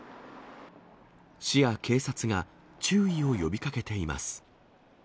市や警察が注意を呼びかけています。